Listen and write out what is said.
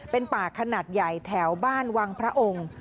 เป็นป่าขนาดใหญ่แถวบ้านวังพระองค์